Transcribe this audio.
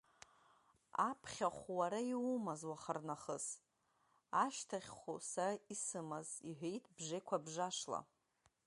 Аԥхьахә уара иумаз уахарнахыс, ашьҭахьхәы са исымаз, — иҳәеит бжеқәа-бжашла.